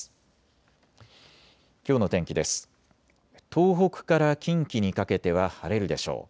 東北から近畿にかけては晴れるでしょう。